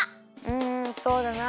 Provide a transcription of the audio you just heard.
うんそうだな。